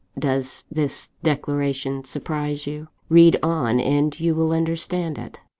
"Does this declaration surprise you? Read on, and you will understand it.